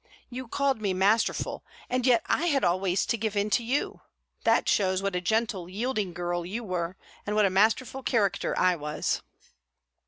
You called me masterful, and yet I had always to give in to you. That shows what a gentle, yielding girl you were, and what a masterful character I was!"